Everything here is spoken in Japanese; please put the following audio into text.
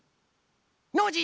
ノージー！